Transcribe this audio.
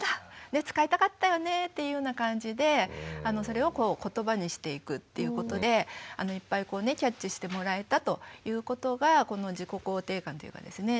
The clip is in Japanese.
で使いたかったよね」っていうような感じでそれをことばにしていくということでいっぱいこうねキャッチしてもらえたということがこの自己肯定感っていうかですね